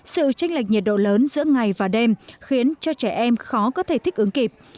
sự tranh lệch nhiệt độ lớn giữa ngày và đêm khiến cho trẻ em khó có thể thích ứng kịp